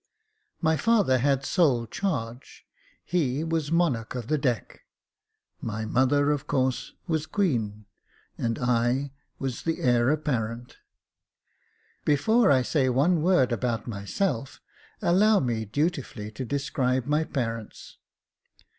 My father had the sole charge — he was monarch of the deck : my mother of course was queen, and I was the heir apparent. Before I say one word about myself, allow me dutifully to describe my parents.